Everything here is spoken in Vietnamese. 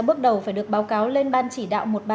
bước đầu phải được báo cáo lên ban chỉ đạo